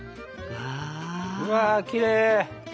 うわきれい！